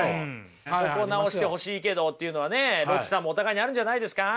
ここ直してほしいけどっていうのはねロッチさんもお互いにあるんじゃないですか？